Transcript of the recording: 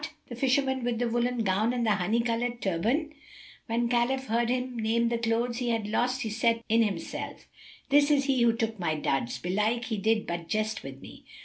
The Fisherman with the woollen gown and the honey coloured turband[FN#280]?" When Khalif heard him name the clothes he had lost, he said in himself, "This is he who took my duds: belike he did but jest with me."